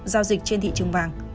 giao dịch trên thị trường vàng